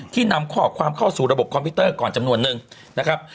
นำข้อความเข้าสู่ระบบคอมพิวเตอร์ก่อนจำนวนนึงนะครับ